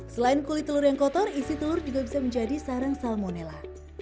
selain kulit telur yang kotor isi telur juga bisa menjadi sarang salmonella